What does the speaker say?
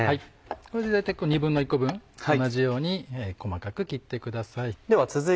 これで大体１／２個分同じように細かく切ってください。